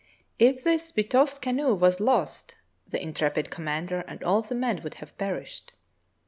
If this betossed canoe was lost the intrepid commander and all the men would have perished.